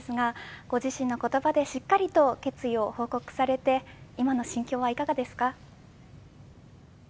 ご自身の言葉でしっかりと決意をご報告されて今の心境はいかがですか。